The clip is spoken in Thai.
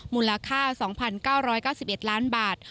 มูลค่า๒๙๙๑ล้านบาท